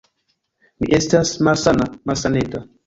Mi estas malsana, malsaneta.